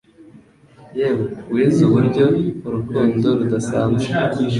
yewe wize uburyo urukundo rudasanzwe